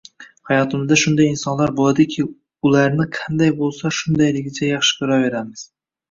Hayotimizda shunday insonlar bo`ladiki, ularni qanday bo`lsa, shundayligicha yaxshi ko`raveramiz